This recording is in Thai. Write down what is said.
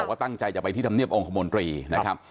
ว่าตั้งใจจะไปที่ธรรมเนียบองคมนตรีนะครับ